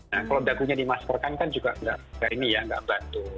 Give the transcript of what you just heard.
nah kalau dagunya dimasker kan juga tidak seperti ini ya tidak bantu